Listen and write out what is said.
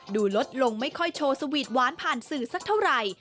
ลดลงไม่ค่อยโชว์สวีทหวานผ่านสื่อสักเท่าไหร่